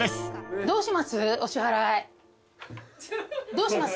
どうします？